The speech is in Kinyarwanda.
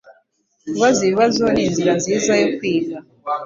Kubaza ibibazo ninzira nziza yo kwiga.